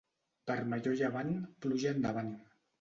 Vermellor a llevant, pluja endavant.